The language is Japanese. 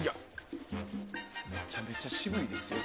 めちゃめちゃ渋いですよ